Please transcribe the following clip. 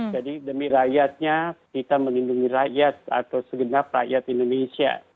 jadi demi rakyatnya kita melindungi rakyat atau segenap rakyat indonesia